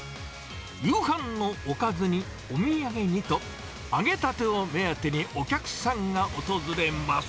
夕飯のおかずに、お土産にと、揚げたてを目当てにお客さんが訪れます。